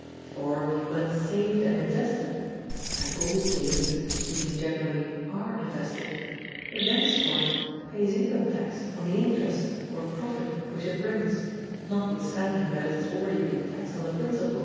For when saved and invested (and all savings, speaking generally, are invested) it thenceforth pays income tax on the interest or profit which it brings, notwithstanding that it has already been taxed on the principal.